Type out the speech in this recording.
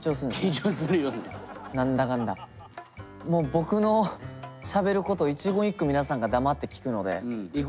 もう僕のしゃべることを一言一句皆さんが黙って聞くので。